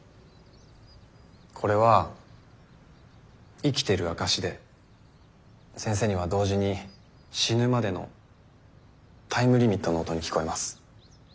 これは生きてる証しで先生には同時に死ぬまでのタイムリミットの音に聞こえます。